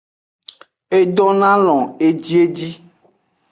E donoalon ejieji.